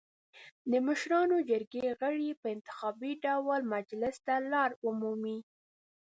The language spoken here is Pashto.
د مشرانو جرګې غړي په انتخابي ډول مجلس ته لار مومي.